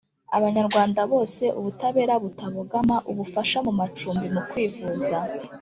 Abanyarwanda bose ubutabera butabogama ubufasha mu macumbi mu kwivuza